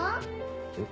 えっ？